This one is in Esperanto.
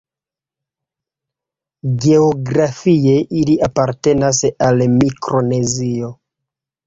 Geografie ili apartenas al Mikronezio.